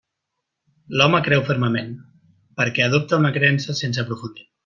L'home creu fermament, perquè adopta una creença sense aprofundir.